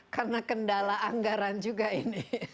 kendala anggaran juga ini